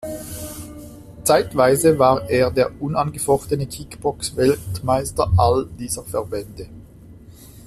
Zeitweise war er der unangefochtene Kickbox-Weltmeister all dieser Verbände.